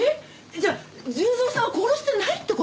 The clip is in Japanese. じゃあ重蔵さんは殺してないって事？